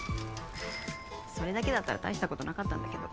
それだけだったら大したことなかったんだけど。